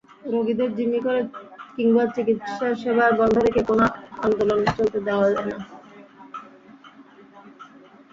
রোগীদের জিম্মি করে কিংবা চিকিৎসাসেবা বন্ধ রেখে কোনো আন্দোলন চলতে দেওয়া যায় না।